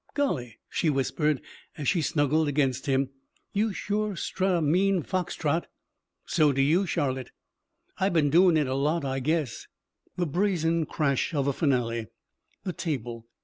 "Golly," she whispered, as she snuggled against him, "you sure strut a mean fox trot." "So do you, Charlotte." "I been doin' it a lot, I guess." The brazen crash of a finale. The table.